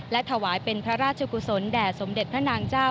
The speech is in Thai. และถวายเป็นพระราชกุศลแด่สมเด็จพระนางเจ้า